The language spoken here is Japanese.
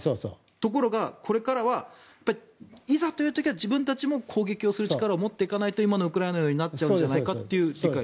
ところがこれからはいざという時は自分たちも攻撃をする力を持っていかないと今のウクライナのようになるんじゃないかという理解。